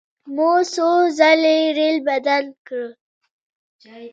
مو څو ځلې ریل بدل کړ.